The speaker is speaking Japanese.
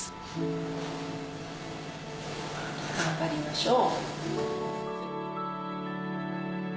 頑張りましょう。